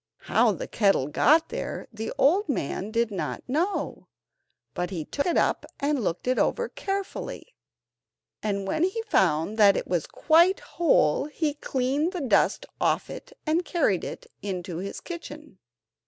How the kettle got there the old man did not know, but he took it up and looked it over carefully, and when he found that it was quite whole he cleaned the dust off it and carried it into his kitchen.